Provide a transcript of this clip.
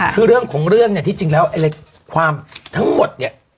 คือเรื่องของเรื่องเนี่ยที่จริงแล้วอะไรความทั้งหมดเนี่ย